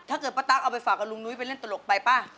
ถ้าเกิดป้าตั๊กเอาไปฝากกับลุงนุ้ยไปเล่นตลกไปป่ะ